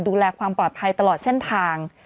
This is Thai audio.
ดูแลความปลอดภัยตลอดเส้นทาง